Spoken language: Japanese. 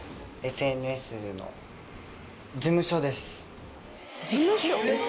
ＳＮＳの事務所。